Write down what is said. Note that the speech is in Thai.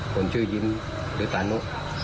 คนชื่อยิ้มหรือตานุ